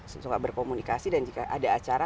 suka berkomunikasi dan jika ada acara